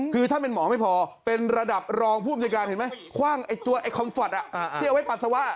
คือท่านเป็นหมอไม่พอเป็นระดับรองผู้อำนวยการเห็นไหมคว่างไอ้ตัวไอ้คอมฟอร์ตที่เอาไว้ปัสสาวะ